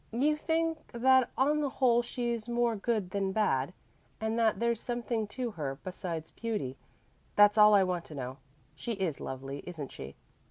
"You think that on the whole she's more good than bad; and that there's something to her, besides beauty. That's all I want to know. She is lovely, isn't she?"